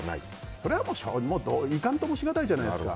いかんともしがたいじゃないですか。